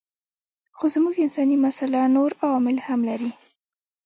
خو زموږ انساني مساله نور عوامل هم لري.